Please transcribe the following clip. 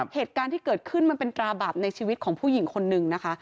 เหตุการณ์ที่เกิดขึ้นมันเป็นตราบาปในชีวิตของผู้หญิงคนนึงนะคะ